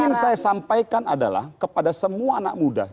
yang ingin saya sampaikan adalah kepada semua anak muda